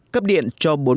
cấp điện cho